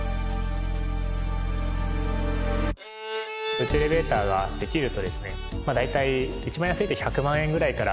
宇宙エレベーターができるとですね大体一番安いと１００万円ぐらいから。